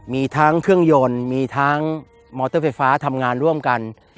มีทั้งเครื่องยนต์มีทั้งมอเตอร์ไฟฟ้าทำงานร่วมกัน